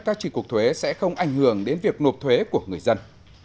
các tri cuộc thuế sẽ không ảnh hưởng đến việc nộp thuế của người dân